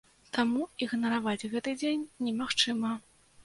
Таму ігнараваць гэты дзень немагчыма.